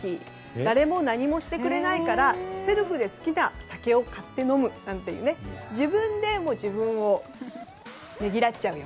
誰も何もしてくれないからセルフで好きな酒を買って飲むという自分で自分をねぎらっちゃうよ。